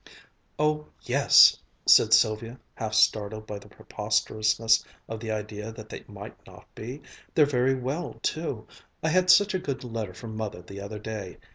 "Oh yes!" said Sylvia, half startled by the preposterousness of the idea that they might not be. "They're very well too. I had such a good letter from Mother the other day.